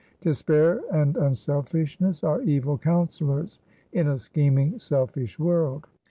Despair and unselfishness are evil counselors in a scheming, selfish world.